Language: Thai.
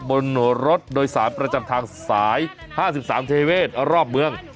บนรถโดยสารประจำทางสายห้าสิบสามเทเวทรอบเมือง